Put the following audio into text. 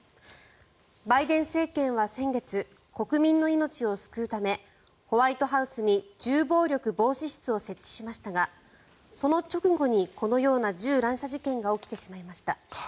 バイデン政権は先月国民の命を救うためホワイトハウスに銃暴力防止室を設置しましたがその直後にこのような銃乱射事件が起きてしまいました。